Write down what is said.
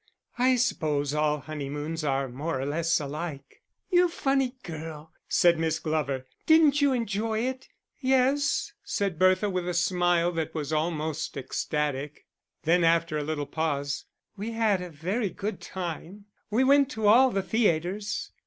"I suppose all honeymoons are more or less alike." "You funny girl," said Miss Glover. "Didn't you enjoy it?" "Yes," said Bertha, with a smile that was almost ecstatic; then after a little pause: "We had a very good time we went to all the theatres."